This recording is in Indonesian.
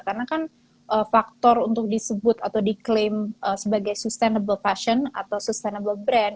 karena kan faktor untuk disebut atau diklaim sebagai sustainable fashion atau sustainable brand